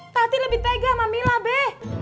tati lebih tega sama mila be